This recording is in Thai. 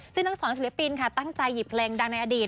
ซึ่งทั้งสองศิลปินค่ะตั้งใจหยิบเพลงดังในอดีต